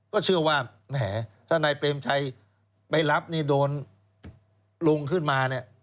ก็เชื่อว่าแหมถ้านายเปรมชัยไปรับนี่โดนลุงขึ้นมาเนี่ย